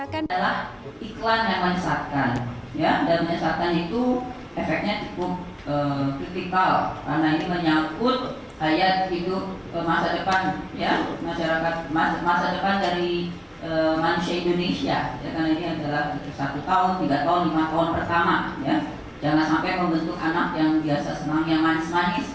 karena sampai membentuk anak yang biasa senang yang manis manis